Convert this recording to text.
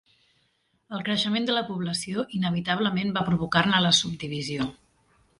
El creixement de la població inevitablement va provocar-ne la subdivisió.